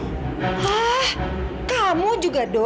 hah kamu juga do